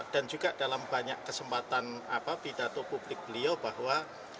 dan juga dalam banyak kesempatan pidato publik beliau bahwa